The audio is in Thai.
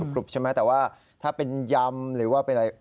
กรุบใช่ไหมแต่ว่าถ้าเป็นยำหรือว่าเป็นอะไร